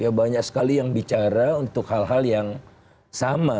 ya banyak sekali yang bicara untuk hal hal yang sama